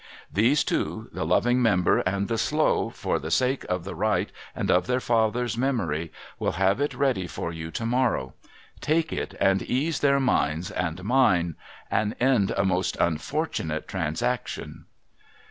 These two, the loving member and the slow, for the sake of the right and of their father's memory, will have it ready for you to morrow. Take it, and ease their minds and mine, and end a most unfort'nate transaction.'